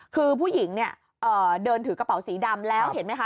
คือผู้หญิงเนี่ยเดินถือกระเป๋าสีดำแล้วเห็นไหมคะ